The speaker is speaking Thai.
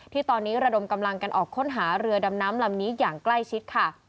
ที่ตอนนี้ระดมกำลังกันออกค้นหาเรือดำน้ำลำนี้อย่างใกล้ชิดค่ะ